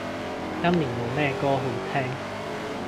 今年冇咩歌好聼